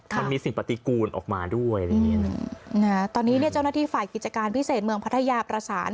มันมีสิ่งปฏิกูลออกมาด้วยตอนนี้เจ้าหน้าที่ฝ่ายกิจการพิเศษเมืองพรรทายาประสาน